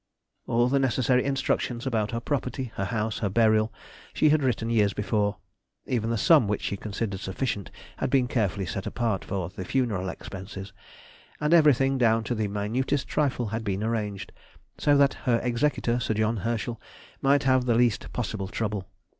_] All the necessary instructions about her property, her house, her burial, she had written years before; even the sum which she considered sufficient had been carefully set apart for the funeral expenses, and everything, down to the minutest trifle, had been arranged, so that her executor, Sir John Herschel, might have the least possible trouble.